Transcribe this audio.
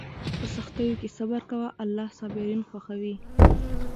په سختیو کې صبر کوه، الله صابرین خوښوي.